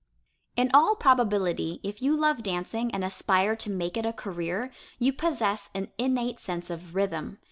In all probability, if you love dancing and aspire to make it a career, you possess an innate sense of rhythm.